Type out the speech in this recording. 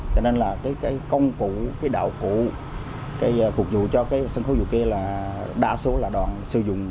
cho nên là công cụ đạo cụ phục vụ cho sân khấu dù kê là đa số là đoàn sử dụng